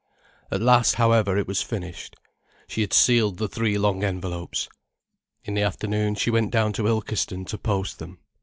At last, however, it was finished. She had sealed the three long envelopes. In the afternoon she went down to Ilkeston to post them.